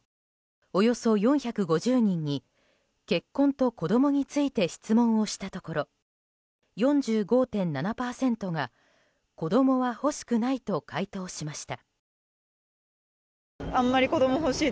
およそ４５０人に結婚と子供について質問をしたところ４５．７％が子供は欲しくないと回答しました。